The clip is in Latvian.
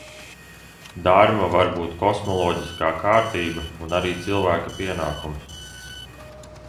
Darma var būt kosmoloģiskā kārtība un arī cilvēka pienākums.